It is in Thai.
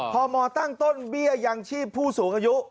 พมตั้งต้นเบี้ยยังชีพผู้สูงอายุ